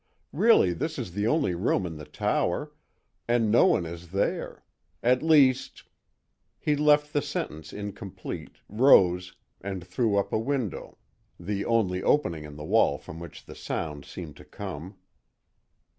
Really, this is the only room in the tower, and no one is there. At least—" He left the sentence incomplete, rose, and threw up a window, the only opening in the wall from which the sound seemed to come.